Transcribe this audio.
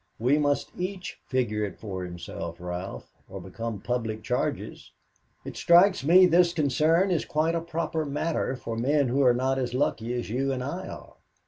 We must each figure it for himself, Ralph, or become public charges. It strikes me this concern is quite a proper matter for men who are not as lucky as you and I are.